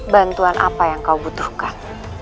bantuan apa yang kau butuhkan